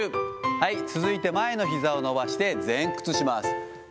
はい、続いて前のひざを伸ばして前屈します。